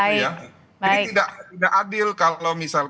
jadi tidak adil kalau misalkan